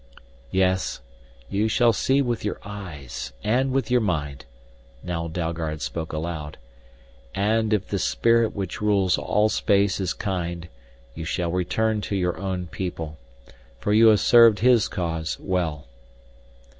"Yes, you shall see with your eyes and with your mind," now Dalgard spoke aloud. "And if the Spirit which rules all space is kind, you shall return to your own people. For you have served His cause well."